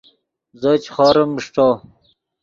زو چے خوریم اݰٹو